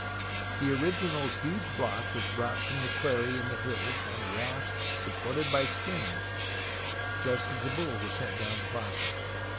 The original huge block was brought from the quarry in the hills on rafts supported by skins, just as the bull was sent down to Basra.